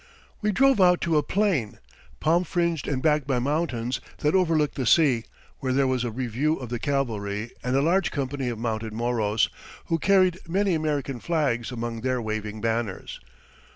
We drove out to a plain, palm fringed and backed by mountains, that overlooked the sea, where there was a review of the cavalry and a large company of mounted Moros, who carried many American flags among their waving banners.